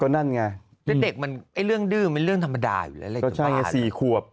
เล่นเรื่องดืมเป็นเรื่องธรรมดาศนี้